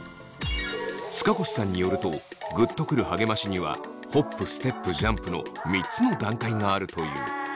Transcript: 塚越さんによるとグッとくる励ましにはホップステップジャンプの３つの段階があるという。